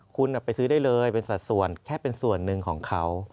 คุณไปซื้อได้เลยเป็นสัดส่วนแค่เป็นส่วนหนึ่งของเขา